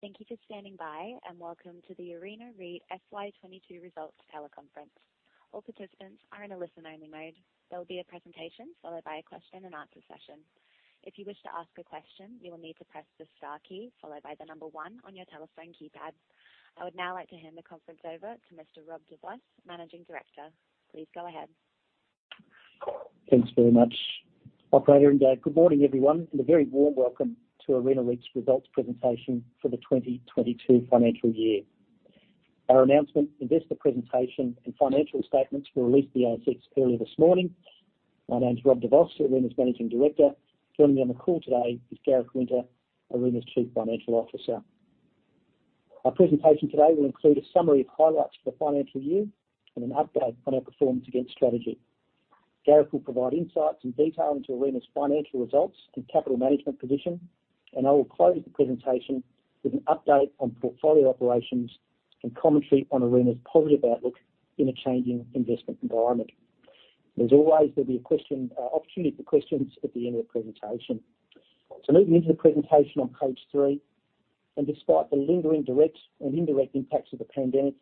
Thank you for standing by, and welcome to the Arena REIT FY 2022 results teleconference. All participants are in a listen-only mode. There will be a presentation, followed by a question and answer session. If you wish to ask a question, you will need to press the star key followed by the number one on your telephone keypad. I would now like to hand the conference over to Mr. Rob de Vos, Managing Director. Please go ahead. Thank you very much, operator, and good morning, everyone, and a very warm welcome to Arena REIT's results presentation for the 2022 financial year. Our announcement, investor presentation and financial statements were released to the ASX earlier this morning. My name is Rob de Vos, Arena's Managing Director. Joining me on the call today is Gareth Winter, Arena's Chief Financial Officer. Our presentation today will include a summary of highlights for the financial year and an update on our performance against strategy. Gareth will provide insights and detail into Arena's financial results and capital management position, and I will close the presentation with an update on portfolio operations and commentary on Arena's positive outlook in a changing investment environment. As always, there'll be a Q&A opportunity for questions at the end of the presentation. Moving into the presentation on page 3, and despite the lingering direct and indirect impacts of the pandemic,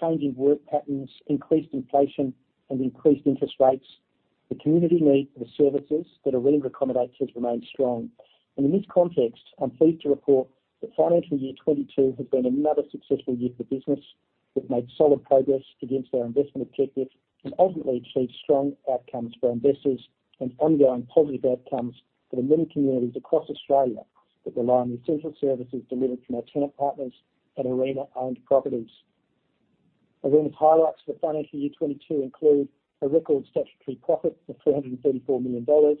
changing work patterns, increased inflation and increased interest rates, the community need for services that Arena accommodates has remained strong. In this context, I'm pleased to report that financial year 2022 has been another successful year for business. We've made solid progress against our investment objectives and ultimately achieved strong outcomes for our investors and ongoing positive outcomes for the many communities across Australia that rely on the essential services delivered from our tenant partners at Arena-owned properties. Arena's highlights for the financial year 2022 include a record statutory profit of 334 million dollars,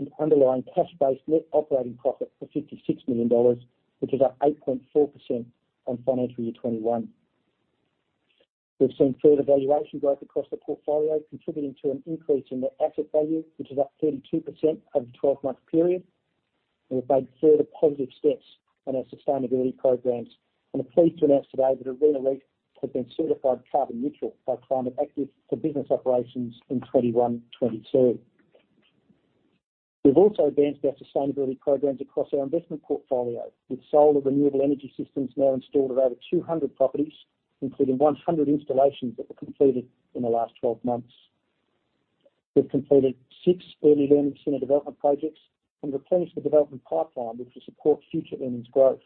an underlying cash-based net operating profit of 56 million dollars, which is up 8.4% on financial year 2021. We've seen further valuation growth across the portfolio, contributing to an increase in net asset value, which is up 32% over the 12-month period. We've made further positive steps on our sustainability programs. We are pleased to announce today that Arena REIT has been certified carbon neutral by Climate Active for business operations in 2021, 2022. We've also advanced our sustainability programs across our investment portfolio, with solar renewable energy systems now installed at over 200 properties, including 100 installations that were completed in the last 12 months. We've completed six early learning center development projects and replenished the development pipeline, which will support future earnings growth.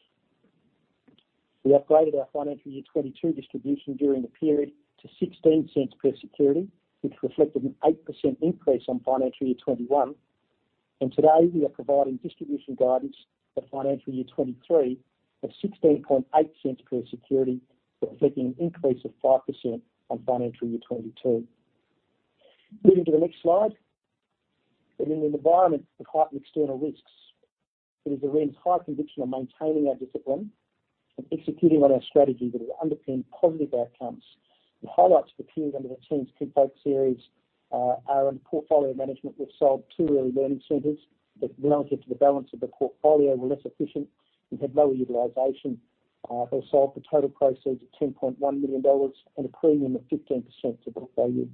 We upgraded our financial year 2022 distribution during the period to 0.16 per security, which reflected an 8% increase on financial year 2021. Today, we are providing distribution guidance for financial year 2023 of 0.168 per security, reflecting an increase of 5% on financial year 2022. Moving to the next slide. In an environment of heightened external risks, it is Arena's high conviction of maintaining our discipline and executing on our strategy that will underpin positive outcomes. The highlights of the period under the team's key focus areas are in portfolio management. We've sold two early learning centers that relative to the balance of the portfolio, were less efficient and had lower utilization. They sold for total proceeds of 10.1 million dollars and a premium of 15% to book value.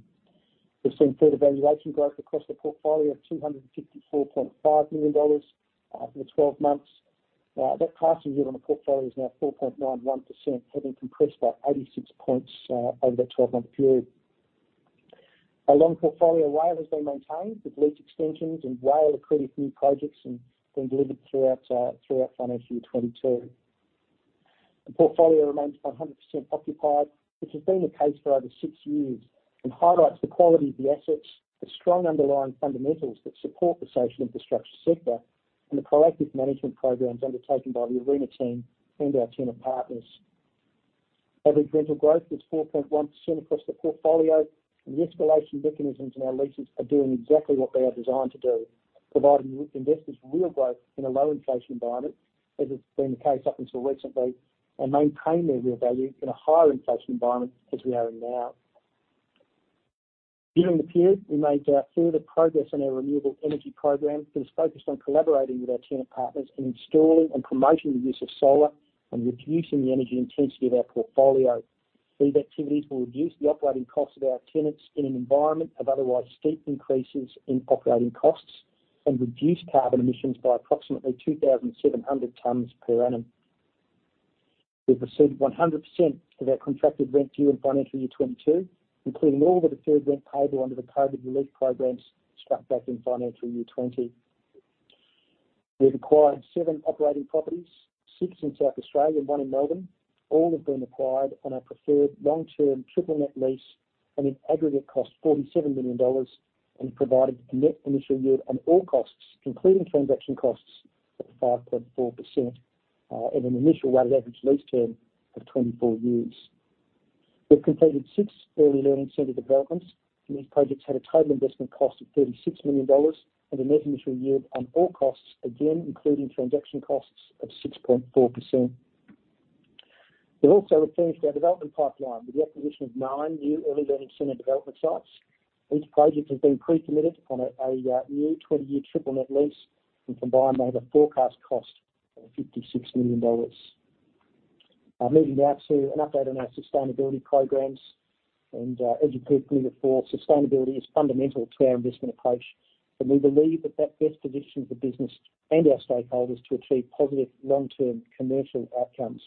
We've seen further valuation growth across the portfolio of 254.5 million dollars over the 12 months. That starting yield on the portfolio is now 4.91%, having compressed by 86 points over that 12-month period. Our portfolio WALE has been maintained with lease extensions and WALE-accretive new projects being delivered throughout financial year 2022. The portfolio remains 100% occupied, which has been the case for over six years, and highlights the quality of the assets, the strong underlying fundamentals that support the social infrastructure sector, and the proactive management programs undertaken by the Arena team and our tenant partners. Average rental growth was 4.1% across the portfolio, and the escalation mechanisms in our leases are doing exactly what they are designed to do, providing investors real growth in a low inflation environment, as has been the case up until recently, and maintain their real value in a higher inflation environment as we are in now. During the period, we made further progress on our renewable energy program that is focused on collaborating with our tenant partners in installing and promoting the use of solar and reducing the energy intensity of our portfolio. These activities will reduce the operating costs of our tenants in an environment of otherwise steep increases in operating costs and reduce carbon emissions by approximately 2,700 tons per annum. We've received 100% of our contracted rent due in financial year 2022, including all of the deferred rent payable under the COVID relief programs struck back in financial year 2020. We've acquired seven operating properties, six in South Australia and one in Melbourne. All have been acquired on a preferred long-term triple net lease and in aggregate cost 47 million dollars and provided a net initial yield on all costs, including transaction costs of 5.4%, and an initial weighted average lease term of 24 years. We've completed six early learning center developments, and these projects had a total investment cost of 36 million dollars and a net initial yield on all costs, again, including transaction costs of 6.4%. We've also replenished our development pipeline with the acquisition of 9 new early learning center development sites. Each project has been pre-committed on a new 20-year triple net lease, and combined they have a forecast cost of 56 million dollars. I'm moving now to an update on our sustainability programs. As you've heard me before, sustainability is fundamental to our investment approach, and we believe that best positions the business and our stakeholders to achieve positive long-term commercial outcomes.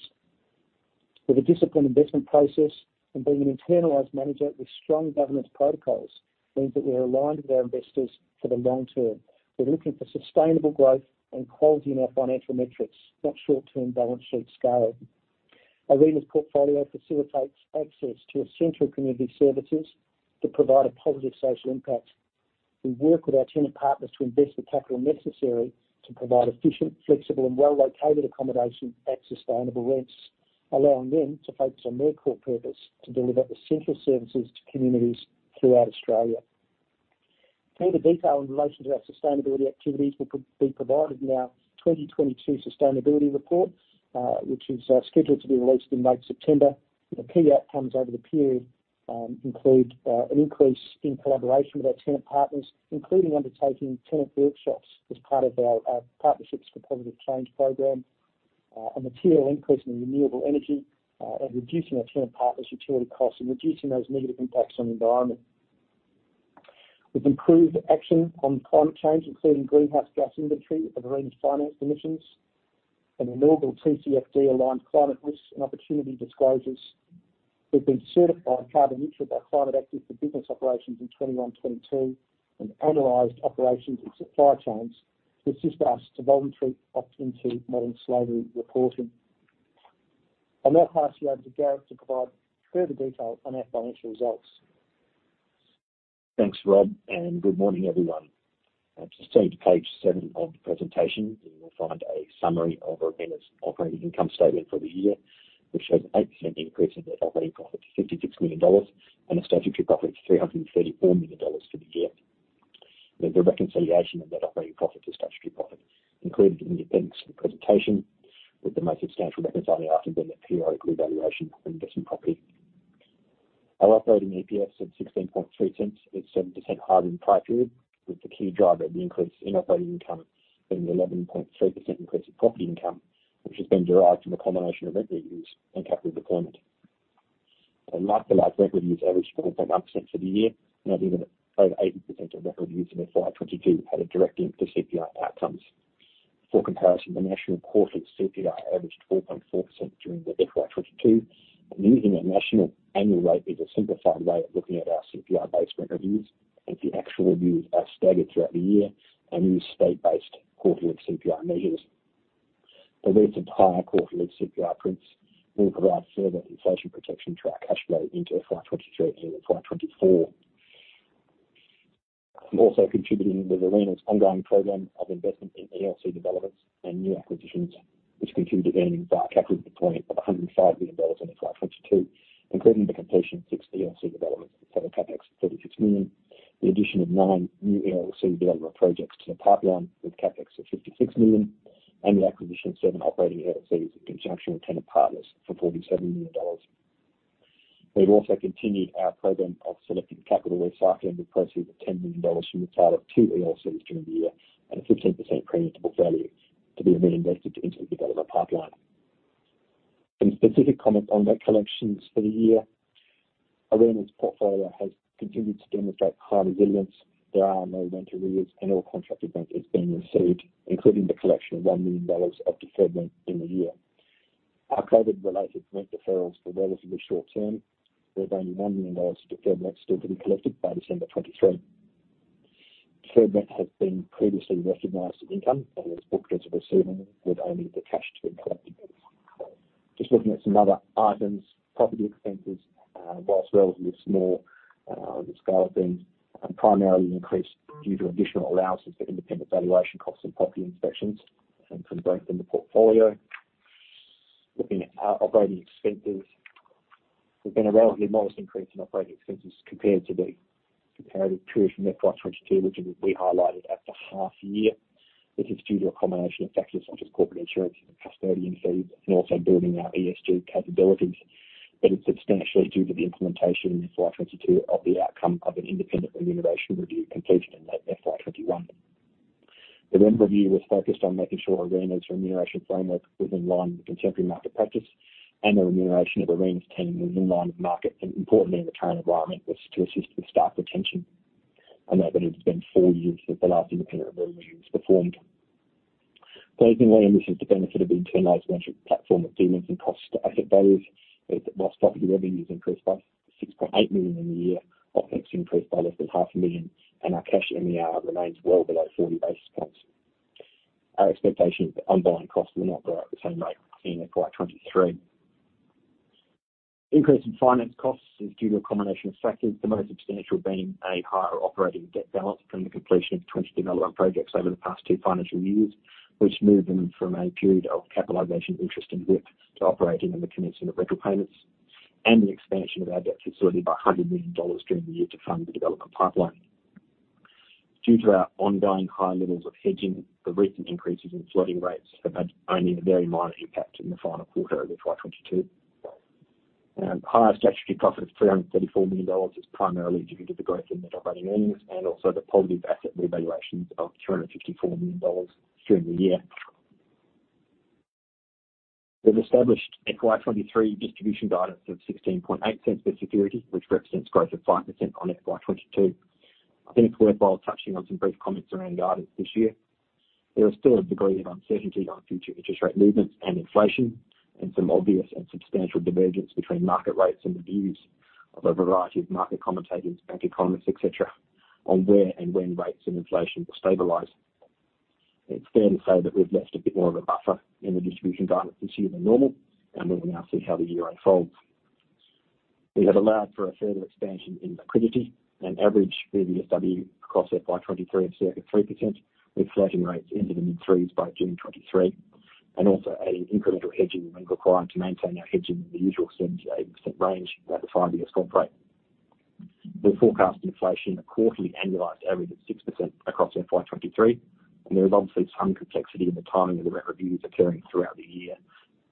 With a disciplined investment process and being an internalized manager with strong governance protocols means that we are aligned with our investors for the long term. We're looking for sustainable growth and quality in our financial metrics, not short-term balance sheet scale. Arena's portfolio facilitates access to essential community services that provide a positive social impact. We work with our tenant partners to invest the capital necessary to provide efficient, flexible, and well-located accommodation at sustainable rents, allowing them to focus on their core purpose to deliver essential services to communities throughout Australia. Further detail in relation to our sustainability activities will be provided in our 2022 sustainability report, which is scheduled to be released in late September. The key outcomes over the period include an increase in collaboration with our tenant partners, including undertaking tenant workshops as part of our Partnerships for Positive Change program, a material increase in renewable energy, and reducing our tenant partners utility costs and reducing those negative impacts on the environment. We've improved action on climate change, including greenhouse gas inventory of Arena's financed emissions and inaugural TCFD-aligned climate risks and opportunity disclosures. We've been certified carbon-neutral under Climate Active for business operations in 2021, 2022 and analyzed operations and supply chains to assist us to voluntarily opt into Modern Slavery Reporting. I'll now pass you over to Gareth to provide further detail on our financial results. Thanks, Rob, and good morning, everyone. Just turn to page seven of the presentation, and you will find a summary of Arena's operating income statement for the year, which shows 8% increase in net operating profit to 56 million dollars and a statutory profit of 334 million dollars for the year. The reconciliation of that operating profit to statutory profit included in the appendix of the presentation, with the most substantial reconciliation after the net periodic revaluation of investment property. Our operating EPS at 0.163 is 7% higher than the prior period, with the key driver of the increase in operating income being 11.3% increase in property income, which has been derived from a combination of rent reviews and capital deployment. Market-like rent reviews averaged 4.1% for the year, and I think that over 80% of rent reviews in FY 2022 had a direct link to CPI outcomes. For comparison, the national quarterly CPI averaged 4.4% during the FY 2022. Using a national annual rate is a simplified way of looking at our CPI-based rent reviews, as the actual reviews are staggered throughout the year and use state-based quarterly CPI measures. The recent higher quarterly CPI prints will provide further inflation protection to our cash flow into FY 2023 and FY 2024. Also contributing with Arena's ongoing program of investment in ELC developments and new acquisitions, which continued gaining via capital deployment of 105 million dollars in FY 2022, including the completion of six ELC developments with total CapEx of 36 million, the addition of nine new ELC developer projects to the pipeline with CapEx of 56 million, and the acquisition of seven operating ELCs in conjunction with tenant partners for 47 million dollars. We've also continued our program of selective capital recycling with proceeds of 10 million dollars from the sale of two ELCs during the year at a 15% premium to book value to be reinvested into the developer pipeline. Some specific comment on debt collections for the year. Arena's portfolio has continued to demonstrate high resilience. There are no rent arrears, and all contracted rent is being received, including the collection of 1 million dollars of deferred rent during the year. Our COVID-related rent deferrals were relatively short-term, with only 1 million dollars of deferred rent still to be collected by December 2023. Deferred rent has been previously recognized as income and is booked as a receivable, with only the cash to be collected. Just looking at some other items, property expenses, while relatively small, the scale has been primarily increased due to additional allowances for independent valuation costs and property inspections and some growth in the portfolio. Looking at our operating expenses, there's been a relatively modest increase in operating expenses compared to the comparative period from FY 2022, which has been highlighted at the half year. This is due to a combination of factors such as corporate insurance and custodian fees, and also building our ESG capabilities. It's substantially due to the implementation in FY 2022 of the outcome of an independent remuneration review completed in late FY 2021. The rem review was focused on making sure Arena's remuneration framework was in line with contemporary market practice and the remuneration of Arena's team was in line with market, and importantly in the current environment, was to assist with staff retention. I note that it has been four years since the last independent rem review was performed. Building on this is the benefit of the internalized management platform of dealings and costs. I suppose that while property revenues increased by 6.8 million in the year, OpEx increased by less than 500,000, and our cash MER remains well below 40 basis points. Our expectation is that underlying costs will not grow at the same rate in FY 2023. Increase in finance costs is due to a combination of factors, the most substantial being a higher operating debt balance from the completion of 20 development projects over the past two financial years, which moved them from a period of capitalization interest and WIP to operating and the commencement of rental payments, and an expansion of our debt facility by 100 million dollars during the year to fund the developer pipeline. Due to our ongoing high levels of hedging, the recent increases in floating rates have had only a very minor impact in the final quarter of the FY 2022. Higher statutory profit of AUD 334 million is primarily due to the growth in net operating earnings and also the positive asset revaluations of AUD 254 million during the year. We've established FY 2023 distribution guidance of 0.168 per security, which represents growth of 5% on FY 2022. I think it's worthwhile touching on some brief comments around guidance this year. There is still a degree of uncertainty on future interest rate movements and inflation, and some obvious and substantial divergence between market rates and the views of a variety of market commentators, bank economists, et cetera, on where and when rates and inflation will stabilize. It's fair to say that we've left a bit more of a buffer in the distribution guidance this year than normal, and we will now see how the year unfolds. We have allowed for a further expansion in liquidity, an average BBSW across FY 2023 of circa 3%, with floating rates into the mid-3s by June 2023, and also adding incremental hedging when required to maintain our hedging in the usual 70%-80% range at the 5-year swap rate. We forecast inflation at a quarterly annualized average of 6% across FY 2023, and there is obviously some complexity in the timing of the rent reviews occurring throughout the year.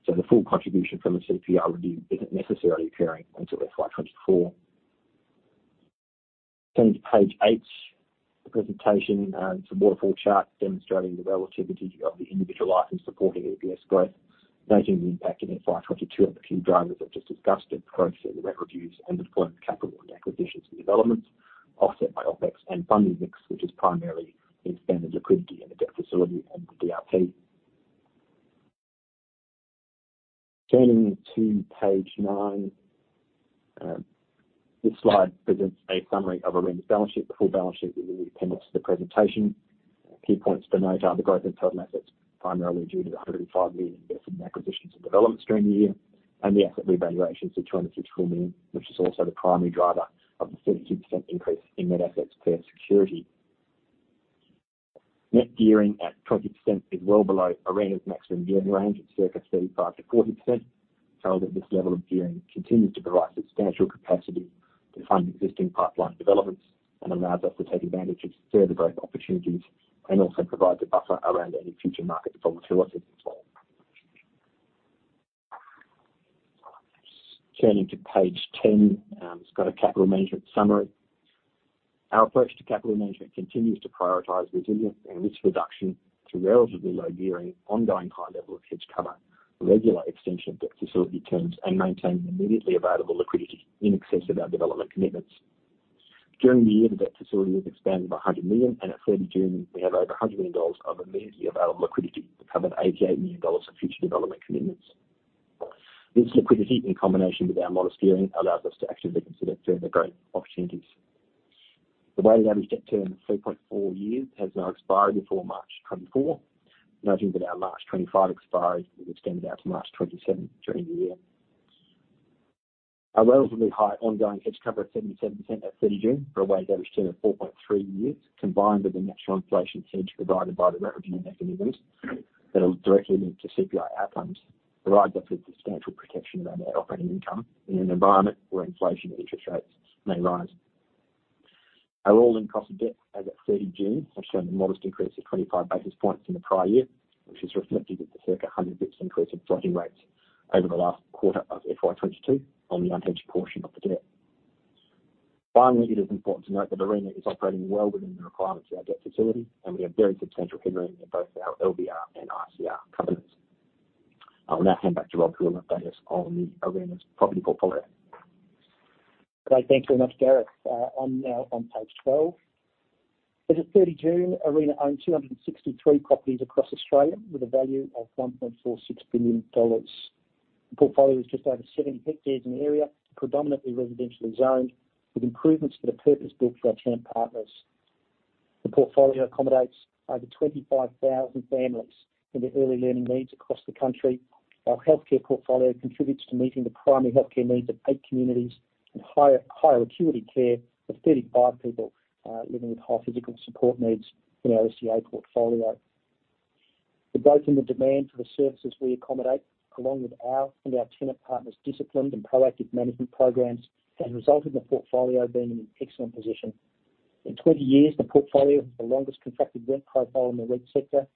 The full contribution from the CPI review isn't necessarily occurring until FY 2024. Turning to page eight, the presentation, it's a waterfall chart demonstrating the relativity of the individual items supporting EPS growth, noting the impact in FY 2022 of the key drivers I've just discussed in approach to the rent reviews and deployment of capital in acquisitions and developments, offset by OpEx and funding mix, which is primarily expanded liquidity in the debt facility and the DRP. Turning to page nine, this slide presents a summary of Arena's balance sheet. The full balance sheet is in the appendix to the presentation. Key points to note are the growth in total assets, primarily due to the 105 million invested in acquisitions and developments during the year, and the asset revaluations of 254 million, which is also the primary driver of the 32% increase in net assets per security. Net gearing at 20% is well below Arena's maximum gearing range of circa 35%-40%. So that this level of gearing continues to provide substantial capacity to fund existing pipeline developments and allows us to take advantage of further growth opportunities, and also provide a buffer around any future market volatility as well. Turning to page 10, it's got a capital management summary. Our approach to capital management continues to prioritize resilience and risk reduction through relatively low gearing, ongoing high level of hedge cover, regular extension of debt facility terms, and maintaining immediately available liquidity in excess of our development commitments. During the year, the debt facility was expanded by 100 million, and at 30 June, we have over 100 million dollars of immediately available liquidity to cover 88 million dollars of future development commitments. This liquidity, in combination with our modest gearing, allows us to actively consider further growth opportunities. The weighted average debt term of 3.4 years has now expired before March 2024, noting that our March 2025 expiry will extend out to March 2027 during the year. Our relatively high ongoing hedge cover of 77% at 30 June for a weighted average term of 4.3 years, combined with the natural inflation hedge provided by the rent review mechanisms that are directly linked to CPI outcomes, provides us with substantial protection around our operating income in an environment where inflation and interest rates may rise. Our all-in cost of debt as at 30 June has shown a modest increase of 25 basis points from the prior year, which is reflective of the circa 100 basis points increase in floating rates over the last quarter of FY 2022 on the unhedged portion of the debt. Finally, it is important to note that Arena is operating well within the requirements of our debt facility, and we have very substantial headroom in both our LVR and ICR covenants. I will now hand back to Rob, who will update us on the Arena's property portfolio. Great. Thank you very much, Gareth. I'm now on page 12. As of 30 June, Arena owned 263 properties across Australia with a value of AUD 1.46 billion. The portfolio is just over 70 hectares in area, predominantly residentially zoned, with improvements that are purpose-built for our tenant partners. The portfolio accommodates over 25,000 families in their early learning needs across the country. Our healthcare portfolio contributes to meeting the primary healthcare needs of eight communities and higher acuity care for 35 people living with high physical support needs in our SDA portfolio. The growth in the demand for the services we accommodate, along with our tenant partners' disciplined and proactive management programs, has resulted in the portfolio being in an excellent position. In 20 years, the portfolio has the longest contracted rent profile in the REIT sector.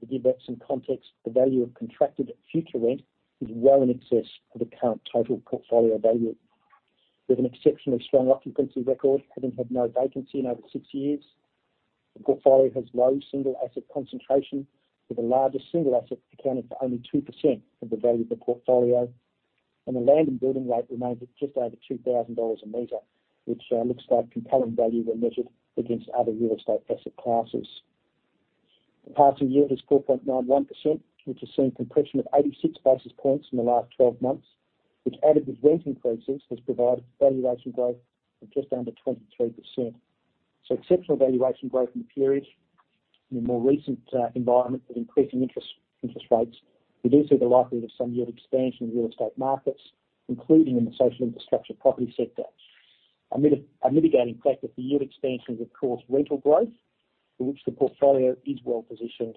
To give that some context, the value of contracted future rent is well in excess of the current total portfolio value. With an exceptionally strong occupancy record, having had no vacancy in over 6 years, the portfolio has low single asset concentration, with the largest single asset accounting for only 2% of the value of the portfolio. The land and building rate remains at just over 2,000 dollars a meter, which looks like compelling value when measured against other real estate asset classes. The passing yield was 4.91%, which has seen compression of 86 basis points in the last 12 months, which, added with rent increases, has provided valuation growth of just under 22%. Exceptional valuation growth in the period. In the more recent environment of increasing interest rates, we do see the likelihood of some yield expansion in real estate markets, including in the social infrastructure property sector. A mitigating factor for yield expansion is, of course, rental growth, for which the portfolio is well positioned,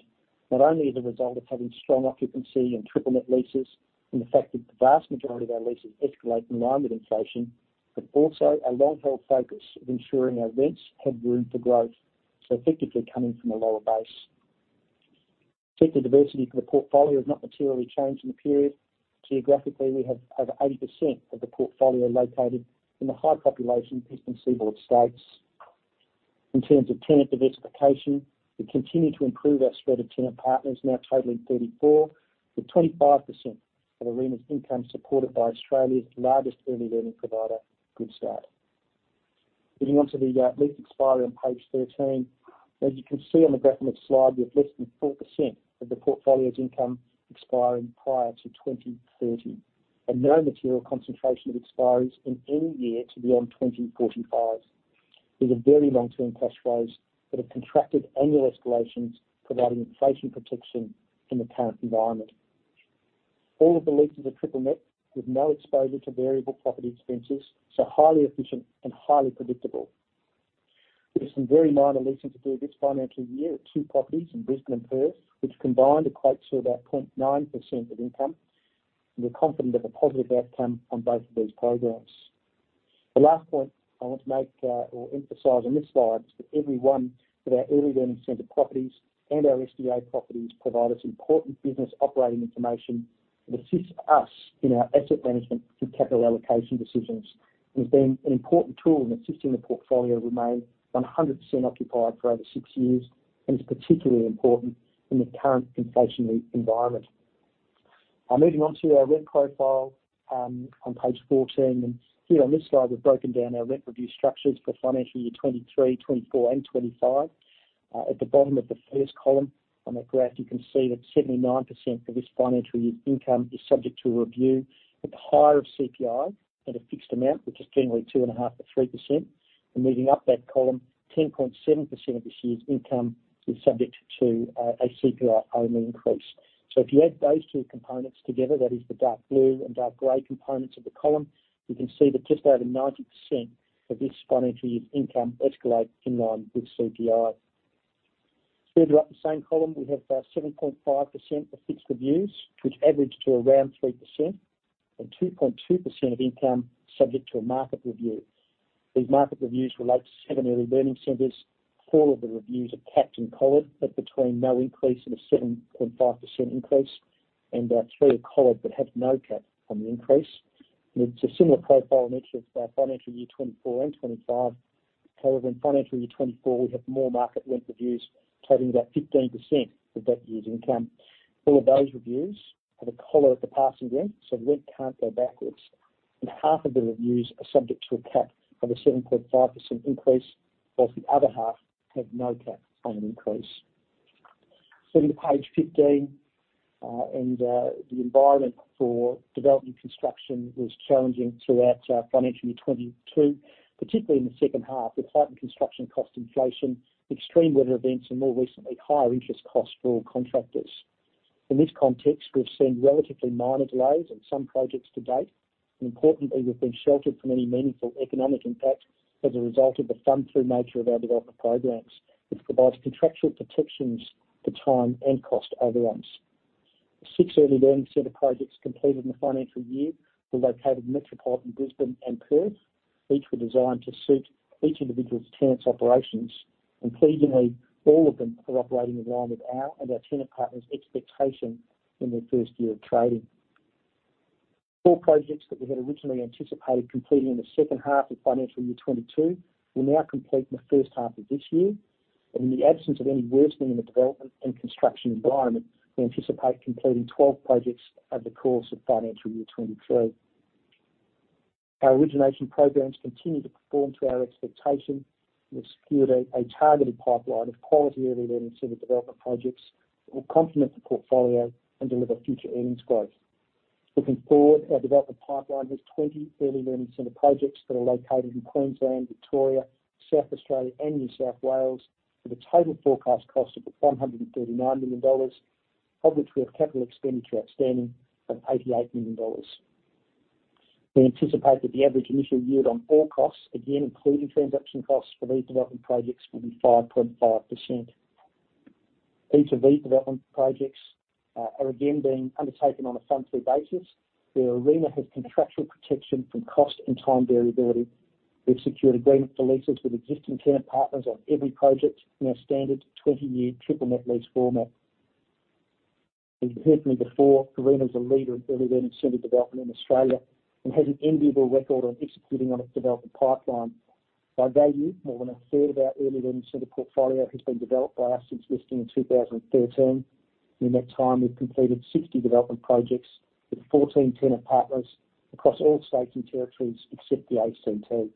not only as a result of having strong occupancy and triple net leases, and the fact that the vast majority of our leases escalate in line with inflation, but also a long-held focus of ensuring our rents have room for growth, so effectively coming from a lower base. Sector diversity for the portfolio has not materially changed in the period. Geographically, we have over 80% of the portfolio located in the high population eastern seaboard states. In terms of tenant diversification, we continue to improve our spread of tenant partners, now totaling 34, with 25% of Arena's income supported by Australia's largest Early Learning provider, Goodstart. Moving on to the lease expiry on page 13. As you can see on the graph on this slide, we have less than 4% of the portfolio's income expiring prior to 2030, and no material concentration of expiries in any year to beyond 2045. These are very long-term cash flows that have contracted annual escalations, providing inflation protection in the current environment. All of the leases are triple-net, with no exposure to variable property expenses, so highly efficient and highly predictable. There's some very minor leasing to do this financial year at two properties in Brisbane and Perth, which combined equates to about 0.9% of income. We're confident of a positive outcome on both of these programs. The last point I want to make, or emphasize on this slide is that every one of our early learning center properties and our SDA properties provide us important business operating information that assists us in our asset management and capital allocation decisions. It's been an important tool in assisting the portfolio remain 100% occupied for over six years, and it's particularly important in the current inflationary environment. Moving on to our rent profile, on page 14. Here on this slide, we've broken down our rent review structures for financial year 2023, 2024, and 2025. At the bottom of the first column on that graph, you can see that 79% of this financial year's income is subject to a review at the higher of CPI or a fixed amount, which is generally 2.5%-3%. Moving up that column, 10.7% of this year's income is subject to a CPI-only increase. If you add those two components together, that is the dark blue and dark gray components of the column, you can see that just over 90% of this financial year's income escalate in line with CPI. Further up the same column, we have 7.5% of fixed reviews, which average to around 3%, and 2.2% of income subject to a market review. These market reviews relate to seven early learning centers. Four of the reviews are capped and collared at between no increase and a 7.5% increase, and three are collared but have no cap on the increase. It's a similar profile in each of our financial year 2024 and 2025. However, in financial year 2024, we have more market rent reviews totaling about 15% of that year's income. All of those reviews have a collar at the passing rent, so the rent can't go backwards, and half of the reviews are subject to a cap of a 7.5% increase, while the other half have no cap on an increase. Flipping to page 15, the environment for development construction was challenging throughout financial year 2022, particularly in the second half, with heightened construction cost inflation, extreme weather events, and more recently, higher interest costs for all contractors. In this context, we've seen relatively minor delays on some projects to date. Importantly, we've been sheltered from any meaningful economic impact as a result of the fund-through nature of our development programs, which provides contractual protections for time and cost overruns. The six early learning center projects completed in the financial year were located in metropolitan Brisbane and Perth. Each were designed to suit each individual tenant's operations. Pleasingly, all of them are operating in line with our and our tenant partner's expectation in their first year of trading. Four projects that we had originally anticipated completing in the second half of financial year 2022 will now complete in the first half of this year. In the absence of any worsening in the development and construction environment, we anticipate completing 12 projects over the course of financial year 2023. Our origination programs continue to perform to our expectation. We've secured a targeted pipeline of quality early learning center development projects that will complement the portfolio and deliver future earnings growth. Looking forward, our development pipeline has 20 early learning center projects that are located in Queensland, Victoria, South Australia, and New South Wales, with a total forecast cost of 139 million dollars, of which we have capital expenditure outstanding of 88 million dollars. We anticipate that the average initial yield on all costs, again, including transaction costs for these development projects, will be 5.5%. Each of these development projects are again being undertaken on a fund through basis, where Arena has contractual protection from cost and time variability. We've secured agreement for leases with existing tenant partners on every project in our standard 20-year triple net lease format. As I've mentioned before, Arena is a leader in early learning center development in Australia and has an enviable record on executing on its development pipeline. By value, more than a third of our early learning center portfolio has been developed by us since listing in 2013. In that time, we've completed 60 development projects with 14 tenant partners across all states and territories, except the ACT.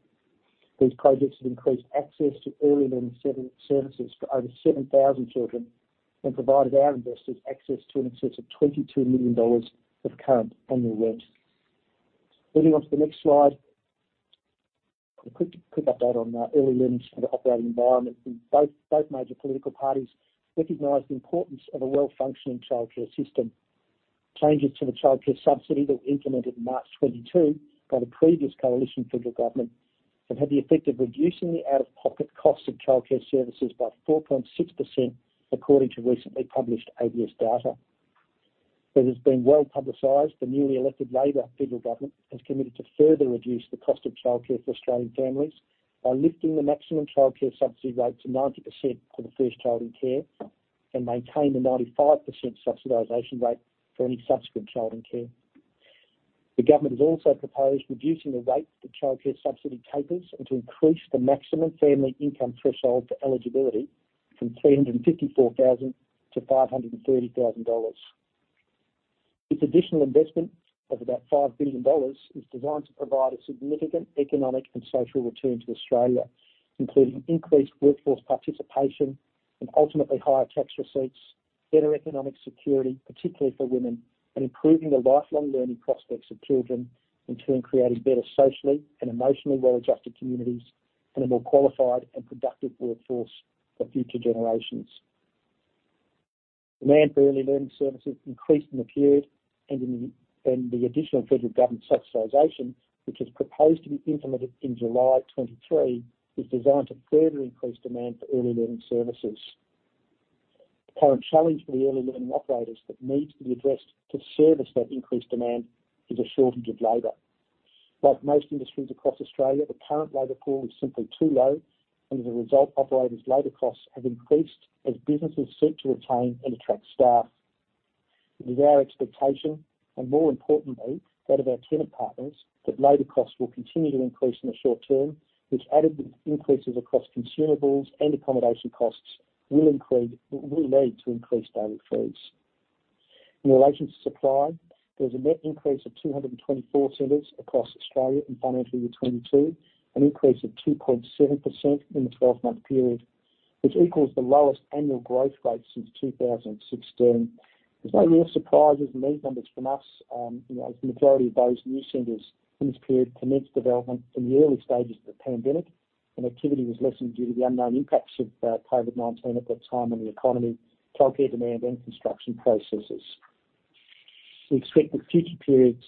These projects have increased access to early learning center services for over 7,000 children and provided our investors access to in excess of 22 million dollars of current annual rent. Moving on to the next slide. A quick update on the early learning center operating environment. Both major political parties recognize the importance of a well-functioning childcare system. Changes to the Child Care Subsidy that were implemented in March 2022 by the previous Coalition federal government have had the effect of reducing the out-of-pocket cost of childcare services by 4.6%, according to recently published ABS data. It has been well publicized, the newly elected Labor Federal Government has committed to further reduce the cost of childcare for Australian families by lifting the maximum Child Care Subsidy rate to 90% for the first child in care, and maintain the 95% subsidization rate for any subsequent child in care. The government has proposed reducing the rate that Child Care Subsidy tapers and to increase the maximum family income threshold for eligibility from 354,000 to 530,000 dollars. This additional investment of about 5 billion dollars is designed to provide a significant economic and social return to Australia, including increased workforce participation and ultimately higher tax receipts, better economic security, particularly for women, and improving the lifelong learning prospects of children, in turn, creating better socially and emotionally well-adjusted communities, and a more qualified and productive workforce for future generations. Demand for early learning services increased in the period, and the additional federal government subsidization, which is proposed to be implemented in July 2023, is designed to further increase demand for early learning services. The current challenge for the early learning operators that needs to be addressed to service that increased demand is a shortage of labor. Like most industries across Australia, the current labor pool is simply too low, and as a result, operators' labor costs have increased as businesses seek to retain and attract staff. It is our expectation, and more importantly, that of our tenant partners, that labor costs will continue to increase in the short term, which added with increases across consumables and accommodation costs will lead to increased daily fees. In relation to supply, there was a net increase of 224 centers across Australia in financial year 2022, an increase of 2.7% in the twelfth-month period, which equals the lowest annual growth rate since 2016. There's no real surprises in these numbers from us, as the majority of those new centers in this period commenced development in the early stages of the pandemic when activity was lessened due to the unknown impacts of COVID-19 at that time on the economy, childcare demand, and construction processes. We expect that future periods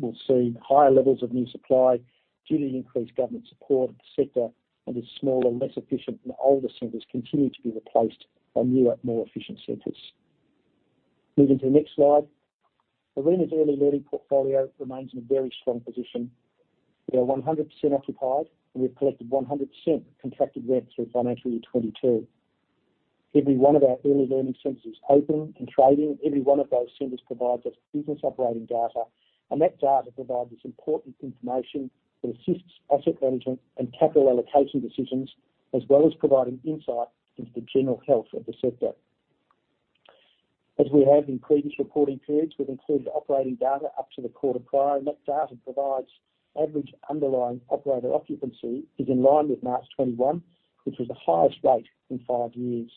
will see higher levels of new supply due to the increased government support of the sector, and as smaller, less efficient, and older centers continue to be replaced by newer, more efficient centers. Moving to the next slide. Arena's early learning portfolio remains in a very strong position. We are 100% occupied, and we have collected 100% contracted rent through financial year 2022. Every one of our early learning centers is open and trading. Every one of those centers provides us business operating data, and that data provides us important information that assists asset management and capital allocation decisions, as well as providing insight into the general health of the sector. As we have in previous reporting periods, we've included operating data up to the quarter prior, and that data provides average underlying operator occupancy is in line with March 2021, which was the highest rate in five years.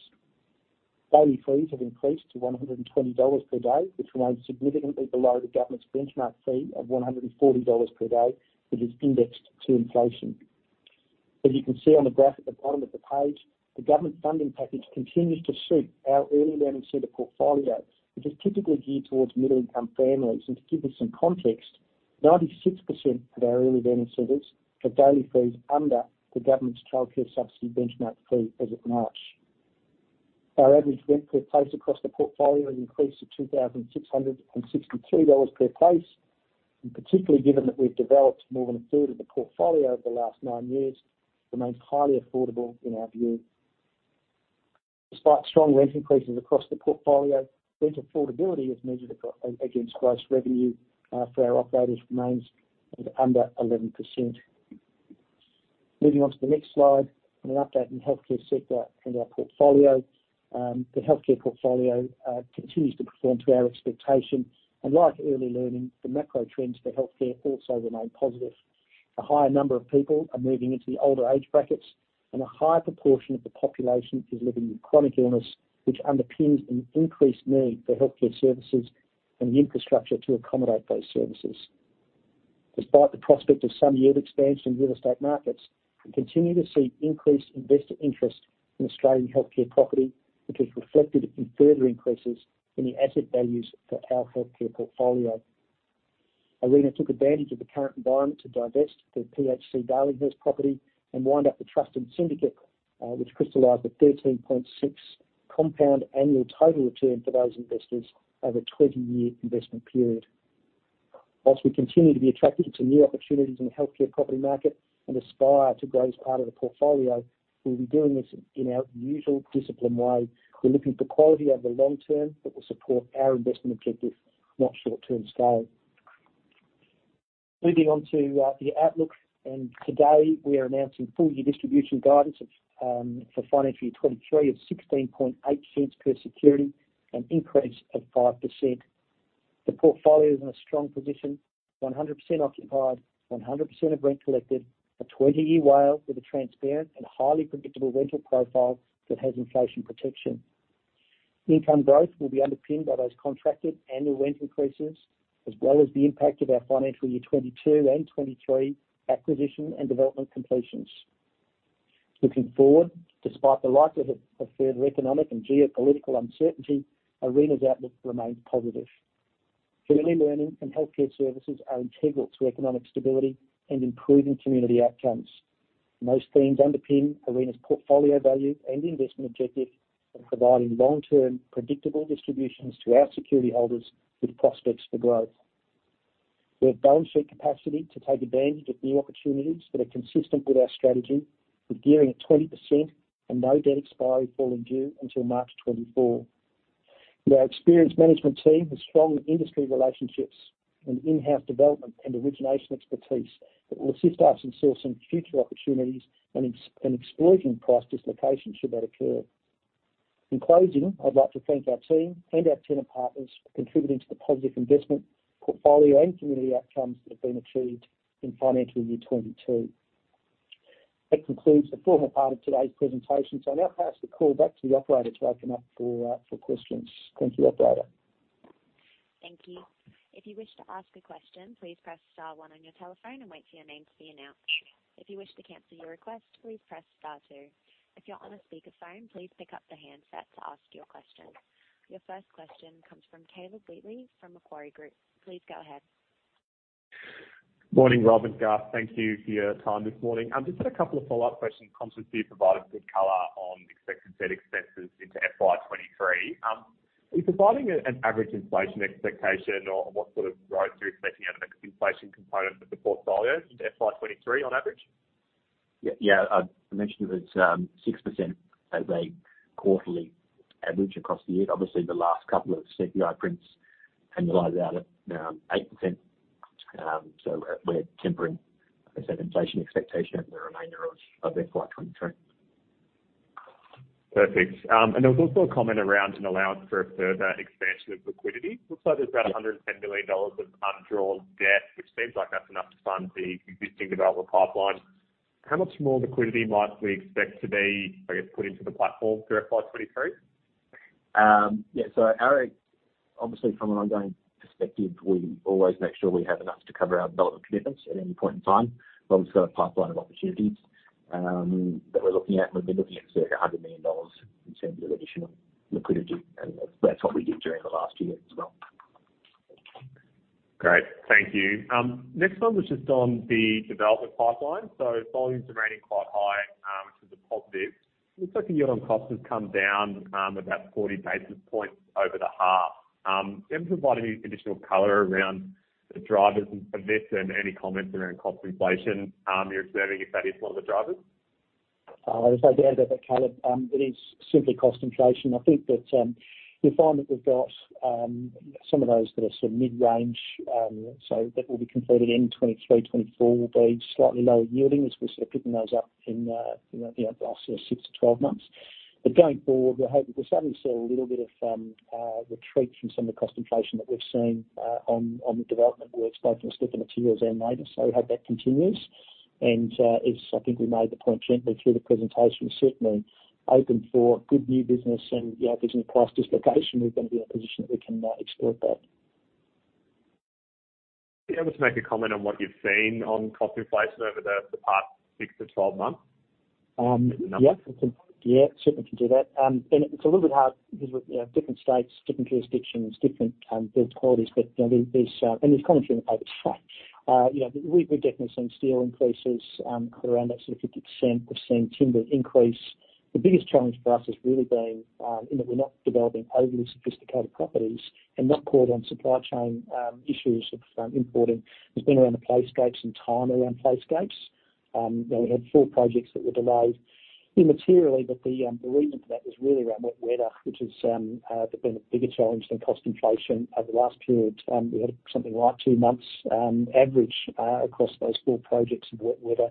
Daily fees have increased to 120 dollars per day, which remains significantly below the government's benchmark fee of 140 dollars per day, which is indexed to inflation. As you can see on the graph at the bottom of the page, the government funding package continues to suit our early learning center portfolio, which is typically geared towards middle-income families. To give this some context, 96% of our early learning centers have daily fees under the government's Child Care Subsidy benchmark fee as of March. Our average rent per place across the portfolio has increased to 2,663 dollars per place, and particularly given that we've developed more than a third of the portfolio over the last nine years, remains highly affordable in our view. Despite strong rent increases across the portfolio, rent affordability as measured against gross revenue for our operators remains at under 11%. Moving on to the next slide and an update on the healthcare sector and our portfolio. The healthcare portfolio continues to perform to our expectation. Like early learning, the macro trends for healthcare also remain positive. A higher number of people are moving into the older age brackets, and a higher proportion of the population is living with chronic illness, which underpins an increased need for healthcare services and the infrastructure to accommodate those services. Despite the prospect of some yield expansion in real estate markets, we continue to see increased investor interest in Australian healthcare property, which is reflected in further increases in the asset values for our healthcare portfolio. Arena took advantage of the current environment to divest the PHC Darlinghurst property and wind up the trust and syndicate, which crystallized a 13.6 compound annual total return for those investors over a 20-year investment period. While we continue to be attracted to new opportunities in the healthcare property market and aspire to grow as part of the portfolio, we'll be doing this in our usual disciplined way. We're looking for quality over the long term that will support our investment objectives, not short-term scale. Moving on to the outlook. Today, we are announcing full-year distribution guidance for financial year 2023 of 0.168 per security, an increase of 5%. The portfolio is in a strong position, 100% occupied, 100% of rent collected, a 20-year WALE with a transparent and highly predictable rental profile that has inflation protection. Income growth will be underpinned by those contracted annual rent increases, as well as the impact of our financial year 2022 and 2023 acquisition and development completions. Looking forward, despite the likelihood of further economic and geopolitical uncertainty, Arena's outlook remains positive. Early learning and healthcare services are integral to economic stability and improving community outcomes. Those themes underpin Arena's portfolio value and investment objective of providing long-term predictable distributions to our security holders with prospects for growth. We have balance sheet capacity to take advantage of new opportunities that are consistent with our strategy, with gearing at 20% and no debt expiry falling due until March 2024. With our experienced management team with strong industry relationships and in-house development and origination expertise, that will assist us in sourcing future opportunities and exploiting price dislocations should that occur. In closing, I'd like to thank our team and our tenant partners for contributing to the positive investment portfolio and community outcomes that have been achieved in financial year 2022. That concludes the formal part of today's presentation. I now pass the call back to the operator to open up for for questions. Thank you, operator. Thank you. If you wish to ask a question, please press star one on your telephone and wait for your name to be announced. If you wish to cancel your request, please press star two. If you're on a speakerphone, please pick up the handset to ask your question. Your first question comes from Caleb Wheatley from Macquarie Group. Please go ahead. Morning, Rob and Gareth. Thank you for your time this morning. Just had a couple of follow-up questions. Constance, you provided good color on expected CapEx into FY 2023. Are you providing an average inflation expectation or what sort of growth you're expecting out of inflation component of the portfolio into FY 2023 on average? Yeah, yeah. I mentioned it was 6% as a quarterly average across the year. Obviously, the last couple of CPI prints have that at 8%. We're tempering, I said, inflation expectation over the remainder of FY 2023. Perfect. There was also a comment around an allowance for a further expansion of liquidity. Looks like there's about 110 million dollars of undrawn debt, which seems like that's enough to fund the existing development pipeline. How much more liquidity might we expect to be, I guess, put into the platform through FY 2023? Obviously from an ongoing perspective, we always make sure we have enough to cover our development commitments at any point in time, but obviously got a pipeline of opportunities that we're looking at. We've been looking at circa 100 million dollars in terms of additional liquidity, and that's what we did during the last year as well. Great. Thank you. Next one was just on the development pipeline. Volumes are remaining quite high, which is a positive. It looks like the year on cost has come down about 40 basis points over the half. Can you provide any additional color around the drivers of this and any comments around cost inflation you're observing if that is one of the drivers? If I could add to that, Caleb, it is simply cost inflation. I think that you'll find that we've got some of those that are sort of mid-range, so that will be completed in 2023, 2024, will be slightly lower yielding as we're sort of picking those up in, you know, obviously six to 12 months. Going forward, we're hoping we're starting to see a little bit of retreat from some of the cost inflation that we've seen on the development works, both in respect to materials and labor. We hope that continues. As I think we made the point gently through the presentation, certainly open for good new business and, you know, if there's any price dislocation, we're gonna be in a position that we can exploit that. Be able to make a comment on what you've seen on cost inflation over the past 6-12 months in the numbers. Yeah. Yeah, certainly can do that. It's a little bit hard because we're, you know, different states, different jurisdictions, different build qualities. You know, there's commentary in the paper. You know, we've definitely seen steel increases around that sort of 50%. We've seen timber increase. The biggest challenge for us has really been in that we're not developing overly sophisticated properties and not caught in supply chain issues of importing. It's been around the playscapes and time around playscapes. You know, we had four projects that were delayed immaterially, but the reason for that was really around wet weather, which has been a bigger challenge than cost inflation over the last period. We had something like two months average across those four projects of wet weather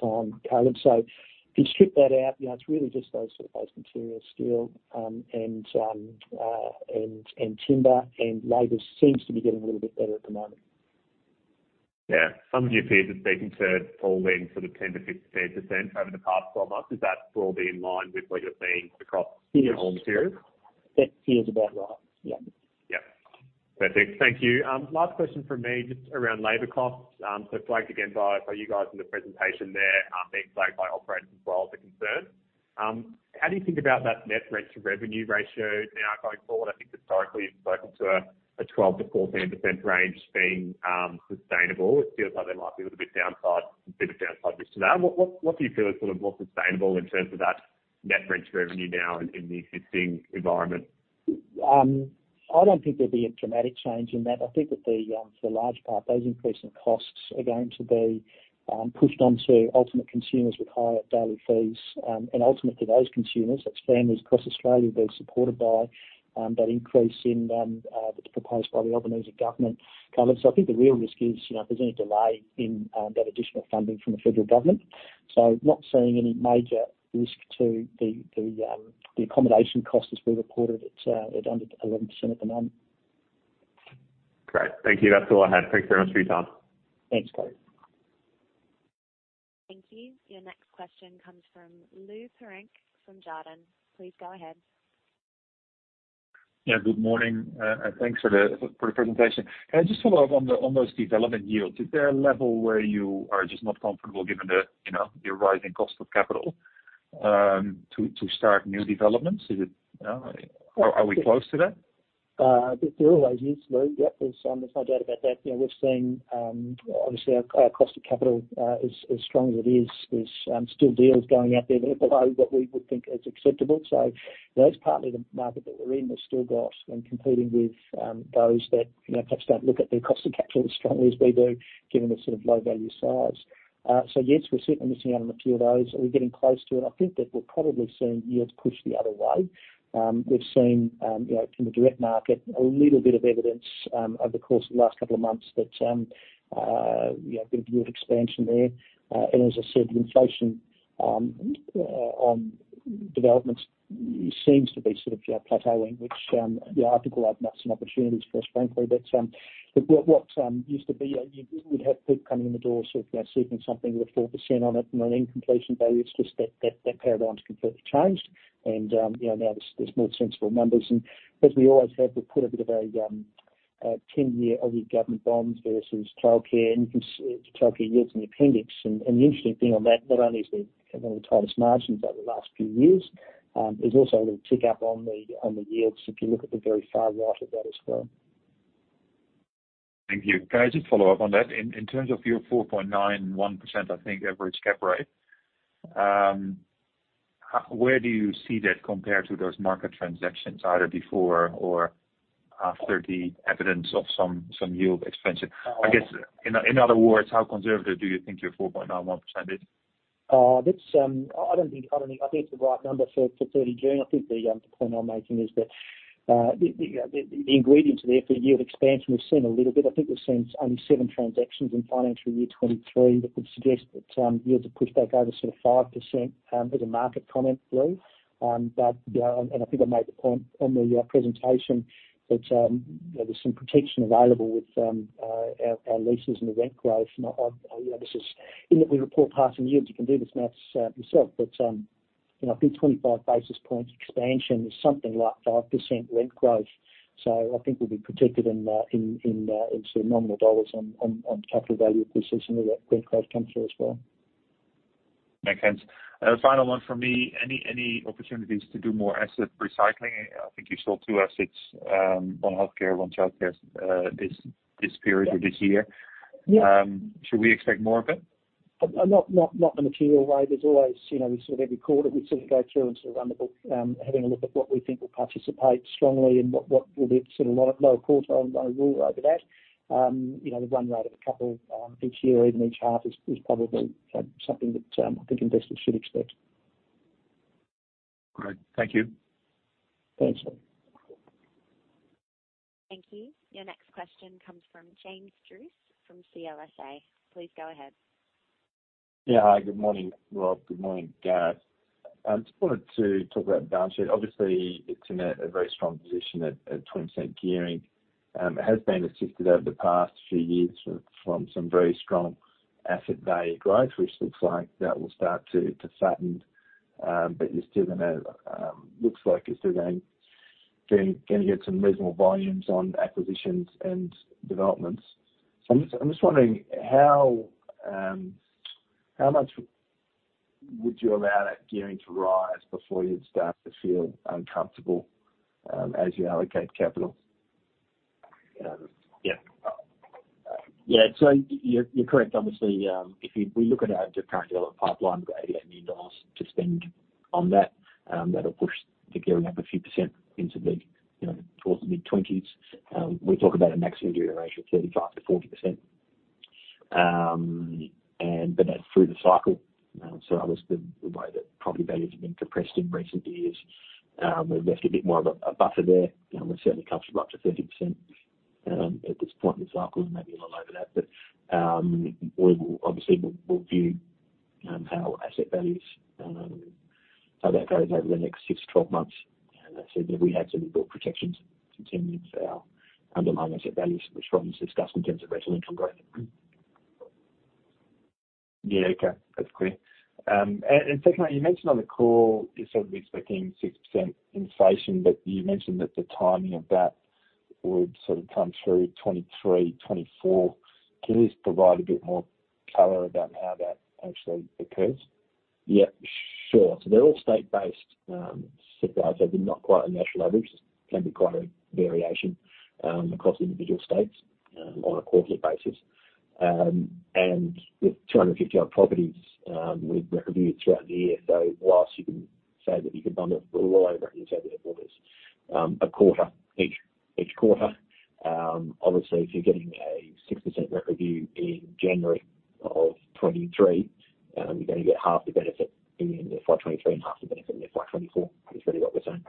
time, Caleb. If you strip that out, you know, it's really just those sort of materials, steel, and timber and labor seems to be getting a little bit better at the moment. Yeah. Some of your peers have spoken to pulling sort of 10%-15% over the past 12 months. Is that broadly in line with what you're seeing across- Feels- Your own materials? That feels about right. Yeah. Yeah. Perfect. Thank you. Last question from me, just around labor costs. So flagged again by you guys in the presentation there, being flagged by operators as well as a concern. How do you think about that net rent to revenue ratio now going forward? I think historically, you've spoken to a 12%-14% range being sustainable. It feels like there might be a little bit downside, a bit of downside risk to that. What do you feel is sort of more sustainable in terms of that net rent to revenue now in the existing environment? I don't think there'll be a dramatic change in that. I think that for the large part, those increase in costs are going to be pushed onto ultimate consumers with higher daily fees. Ultimately those consumers, as families across Australia, will be supported by that increase that's proposed by the Albanese government, Caleb. I think the real risk is, you know, if there's any delay in that additional funding from the federal government. Not seeing any major risk to the accommodation cost as we reported. It's at under 11% at the moment. Great. Thank you. That's all I had. Thanks very much for your time. Thanks, Caleb. Thank you. Your next question comes from Lou Pirenc from Jarden. Please go ahead. Yeah, good morning, and thanks for the presentation. Can I just follow up on those development yields? Is there a level where you are just not comfortable given the, you know, the rising cost of capital? To start new developments. Is it, are we close to that? There always is, Lou. Yep. There's no doubt about that. You know, we've seen, obviously our cost of capital, as strong as it is, there's still deals going out there that are below what we would think is acceptable. That is partly the market that we're in. Competing with those that, you know, perhaps don't look at their cost of capital as strongly as we do, given the sort of low value size. Yes, we're certainly missing out on a few of those. Are we getting close to it? I think that we're probably seeing yields push the other way. We've seen, you know, in the direct market a little bit of evidence over the course of the last couple of months that, you know, a bit of yield expansion there. As I said, the inflation on developments seems to be sort of, you know, plateauing, which, you know, I think will open up some opportunities for us frankly, but what used to be, you would have people coming in the door sort of, you know, seeking something with 4% on it, and then in completion value, it's just that paradigm's completely changed. You know, now there's more sensible numbers. As we always have, we've put a bit of a 10-year Aussie government bonds versus childcare, and you can see the childcare yields in the appendix. The interesting thing on that, not only have we had one of the tightest margins over the last few years, there's also a little tick up on the yields if you look at the very far right of that as well. Thank you. Can I just follow up on that? In terms of your 4.91%, I think, average cap rate, where do you see that compared to those market transactions, either before or after the evidence of some yield expansion? I guess in other words, how conservative do you think your 4.91% is? That's the right number for 30 June. I think the point I'm making is that the ingredients are there for yield expansion. We've seen a little bit. I think we've seen only seven transactions in financial year 2023 that would suggest that yields have pushed back over sort of 5%, as a market comment, Lou. You know, I think I made the point on the presentation that you know, there's some protection available with our leases and the rent growth. You know, we report passing yields. You can do the math yourself. You know, I think 25 basis points expansion is something like 5% rent growth. I think we'll be protected in sort of nominal dollars on capital value if we see some of that rent growth come through as well. Makes sense. A final one from me. Any opportunities to do more asset recycling? I think you sold two assets one healthcare, one childcare, this period or this year. Yeah. Should we expect more of it? Not in a material way. There's always, you know, sort of every quarter, we sort of go through and sort of run the book, having a look at what we think will participate strongly and what will be sort of lower quarter. I rule over that. You know, the run rate of a couple each year or even each half is probably something that I think investors should expect. Great. Thank you. Thanks, Lou. Thank you. Your next question comes from James Druce from CLSA. Please go ahead. Yeah. Hi, good morning, Rob. Good morning, Gareth. Just wanted to talk about balance sheet. Obviously, it's in a very strong position at 20% gearing. It has been assisted over the past few years from some very strong asset value growth, which looks like that will start to flatten. But looks like you're still going to get some reasonable volumes on acquisitions and developments. I'm just wondering how much would you allow that gearing to rise before you'd start to feel uncomfortable as you allocate capital? Yeah. Yeah. You're correct. Obviously, we look at our current development pipeline, we've got 88 million dollars to spend on that'll push the gearing up a few percent into, you know, towards the mid-20s. We talk about a maximum gearing ratio of 35%-40%. But that's through the cycle. Obviously the way that property values have been depressed in recent years, we've left a bit more of a buffer there. You know, we're certainly comfortable up to 30%, at this point in the cycle and maybe a little over that. Obviously we'll view how asset values, how that goes over the next 6-12 months. As I said, we have some inbuilt protections to deal with our underlying asset values, which Rob has discussed in terms of rental income growth. Yeah. Okay. That's clear. Secondly, you mentioned on the call you're sort of expecting 6% inflation, but you mentioned that the timing of that would sort of come through 2023, 2024. Can you just provide a bit more color about how that actually occurs? Yeah, sure. They're all state-based suppliers. They're not quite a national average. Can be quite a variation across individual states on a quarterly basis. With 250-odd properties we'd reviewed throughout the year. Whilst you can say that you could bundle it all over and you say that it was a quarter each quarter, obviously if you're getting a 6% rent review in January of 2023, you're gonna get half the benefit in year five 2023 and half the benefit in year five 2024 because they're not the same.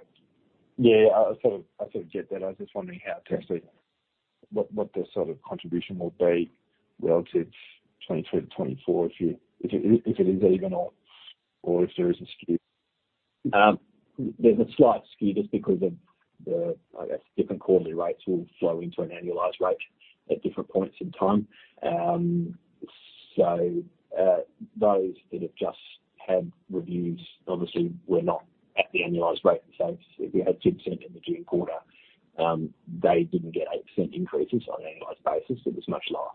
Yeah. I sort of get that. I was just wondering how to Yeah. What sort of contribution would be relative 2023 to 2024 if it is even or if there is a skew? There's a slight skew just because of the, I guess, different quarterly rates all flow into an annualized rate at different points in time. Those that have just had reviews, obviously were not at the annualized rate. If you had 10% in the June quarter, they didn't get 8% increases on an annualized basis. It was much lower.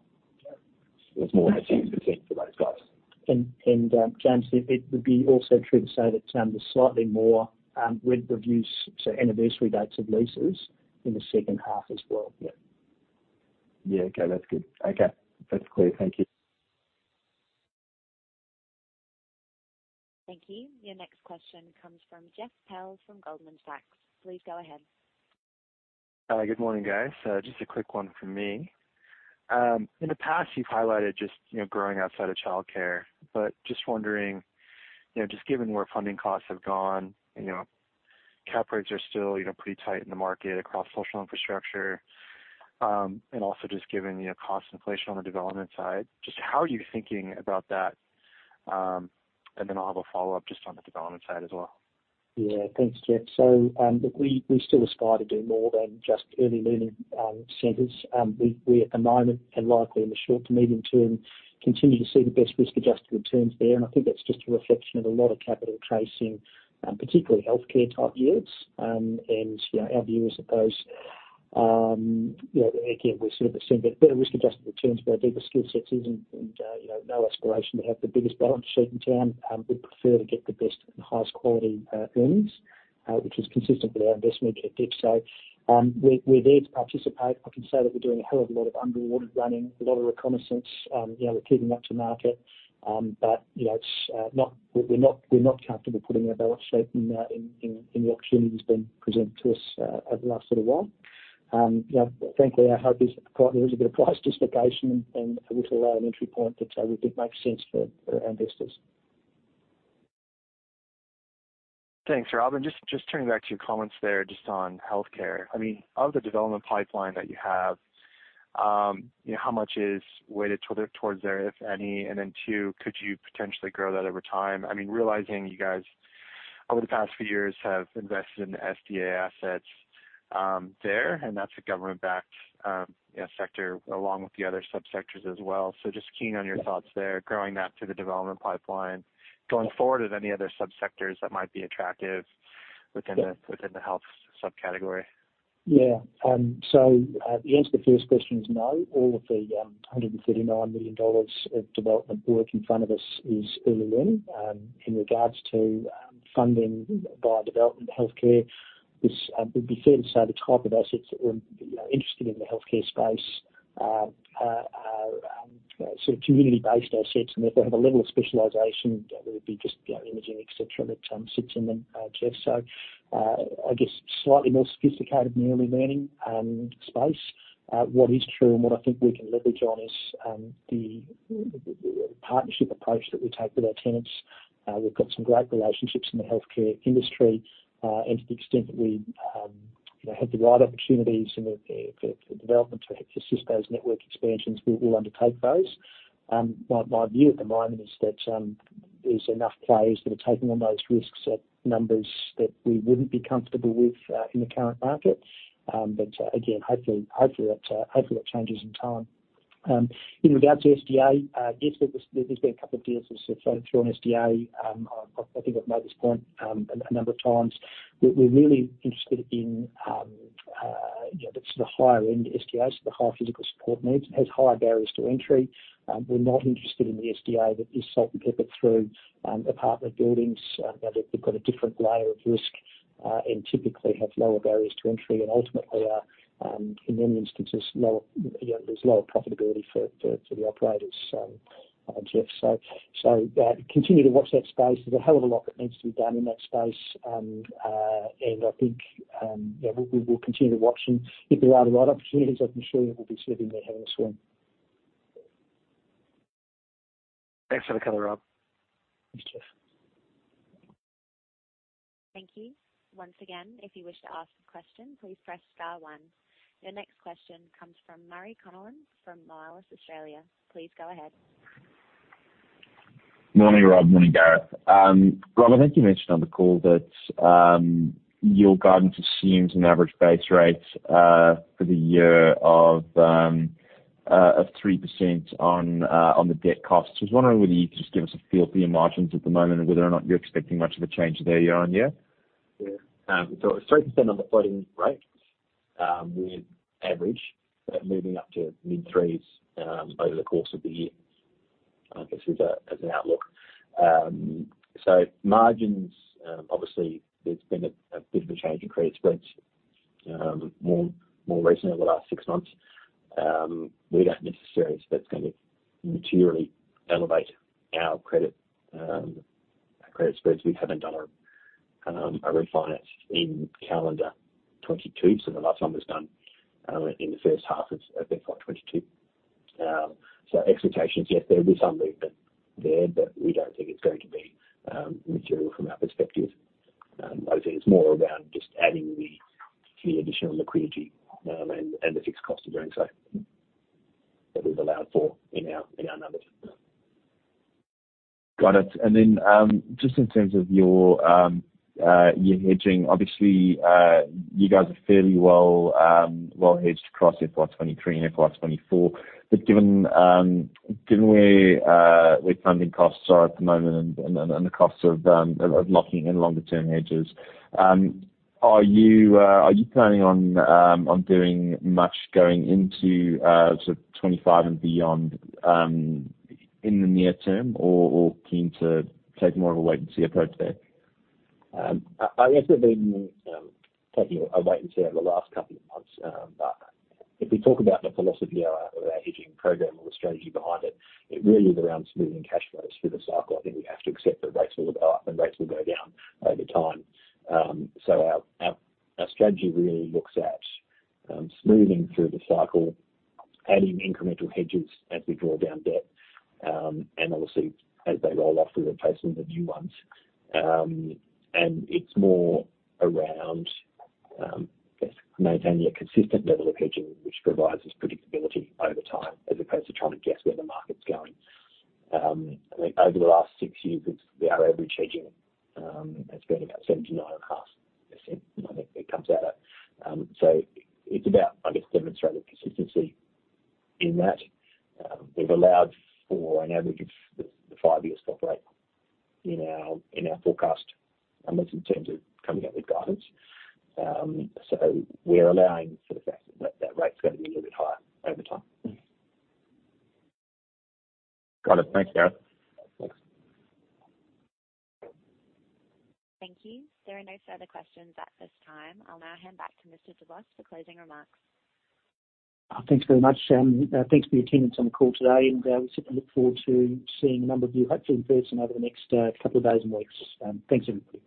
It's more than 10% for those guys. James, it would be also true to say that there's slightly more rent reviews to anniversary dates of leases in the second half as well. Yeah. Yeah. Okay, that's good. Okay, that's clear. Thank you. Thank you. Your next question comes from Jeff Spector from Goldman Sachs. Please go ahead. Good morning, guys. Just a quick one from me. In the past, you've highlighted just, you know, growing outside of childcare, but just wondering, you know, just given where funding costs have gone and, you know, cap rates are still, you know, pretty tight in the market across social infrastructure, and also just given, you know, cost inflation on the development side, just how are you thinking about that? Then I'll have a follow-up just on the development side as well. Yeah. Thanks, Jeff. We still aspire to do more than just early learning centers. We at the moment and likely in the short to medium term continue to see the best risk-adjusted returns there. I think that's just a reflection of a lot of capital chasing, particularly healthcare type yields. You know, our view is, I suppose, you know, again, we're sort of seeing the better risk-adjusted returns where our deepest skill set is and you know, no aspiration to have the biggest balance sheet in town. We prefer to get the best and highest quality earnings, which is consistent with our investment objective. We're there to participate. I can say that we're doing a hell of a lot of underwriting, a lot of reconnaissance. You know, we're keeping up with the market, but you know, it's not. We're not comfortable putting our balance sheet in the opportunities being presented to us over the last little while. You know, frankly, our hope is that there is a bit of price dislocation and it will allow an entry point that makes sense for our investors. Thanks, Rob. Just turning back to your comments there, just on healthcare. I mean, of the development pipeline that you have, how much is weighted toward there, if any? Then too, could you potentially grow that over time? I mean, realizing you guys over the past few years have invested in SDA assets there, and that's a government-backed sector along with the other subsectors as well. Just keen on your thoughts there, growing that through the development pipeline. Going forward, are there any other subsectors that might be attractive within the- Yeah. Within the health subcategory? Yeah. The answer to the first question is no. All of the 139 million dollars of development work in front of us is early learning. In regards to funding via development healthcare is it would be fair to say the type of assets that we're you know interested in the healthcare space are you know sort of community-based assets and if they have a level of specialization whether it be just you know imaging et cetera that sits in them Jeff. I guess slightly more sophisticated than the early learning space. What is true and what I think we can leverage on is the partnership approach that we take with our tenants. We've got some great relationships in the healthcare industry. To the extent that we, you know, have the right opportunities and the development to assist those network expansions, we'll undertake those. My view at the moment is that there's enough players that are taking on those risks at numbers that we wouldn't be comfortable with in the current market. Again, hopefully that changes in time. Regarding SDA, yes, there's been a couple of deals we've sort of thrown SDA. I think I've made this point a number of times. We're really interested in, you know, the sort of higher end SDAs, the higher physical support needs and has higher barriers to entry. We're not interested in the SDA that is salt and pepper through apartment buildings. You know, they've got a different layer of risk, and typically have lower barriers to entry and ultimately are, in many instances, lower. You know, there's lower profitability for the operators, Jeff. Continue to watch that space. There's a hell of a lot that needs to be done in that space. I think, yeah, we will continue to watch them. If there are the right opportunities, I can assure you we'll be slipping there, having a swim. Thanks for the color, Rob. Thanks, Jeff. Thank you. Once again, if you wish to ask a question, please press star one. Your next question comes from Murray Connellan from Moelis Australia. Please go ahead. Morning, Rob. Morning, Gareth. Rob, I think you mentioned on the call that your guidance assumes an average base rate for the year of 3% on the debt costs. I was wondering whether you could just give us a feel for your margins at the moment and whether or not you're expecting much of a change there year-on-year. Yeah. It's 3% on the floating rate, with average, but moving up to mid-3s%, over the course of the year, I guess, as an outlook. Margins, obviously there's been a bit of a change in credit spreads, more recently over the last six months. We don't necessarily expect it's gonna materially elevate our credit spreads. We haven't done a refinance in calendar 2022, so the last one was done in the first half of FY 2022. Expectations, yes, there'll be some movement there, but we don't think it's going to be material from our perspective. I think it's more around just adding the additional liquidity and the fixed cost of doing so that is allowed for in our numbers. Got it. Just in terms of your hedging, obviously, you guys are fairly well hedged across FY 2023 and FY 2024. Given where funding costs are at the moment and the costs of locking in longer term hedges, are you planning on doing much going into sort of 2025 and beyond in the near term or keen to take more of a wait and see approach there? I guess we've been taking a wait and see over the last couple of months. If we talk about the philosophy of our hedging program or the strategy behind it really is around smoothing cash flows through the cycle. I think we have to accept that rates will go up and rates will go down over time. Our strategy really looks at smoothing through the cycle, adding incremental hedges as we draw down debt, and obviously as they roll off, we replace them with new ones. It's more around, I guess, maintaining a consistent level of hedging, which provides us predictability over time as opposed to trying to guess where the market's going. I think over the last six years, it's our average hedging has been about 7%-9.5%. I think it comes out at. It's about, I guess, demonstrating consistency in that. We've allowed for an average of the five-year swap rate in our forecast, at least in terms of coming up with guidance. We're allowing for the fact that rate's gonna be a little bit higher over time. Got it. Thanks, Gareth. Thanks. Thank you. There are no further questions at this time. I'll now hand back to Mr. De Vos for closing remarks. Thanks very much. Thanks for your attendance on the call today, and we certainly look forward to seeing a number of you, hopefully in person, over the next couple of days and weeks. Thanks, everybody.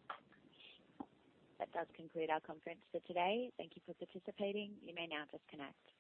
That does conclude our conference for today. Thank you for participating. You may now disconnect.